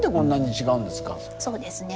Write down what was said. そうですね。